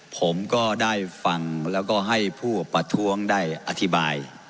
ผมก็ได้ฟังแล้วก็ให้ผู้ประท้วงได้อธิบาย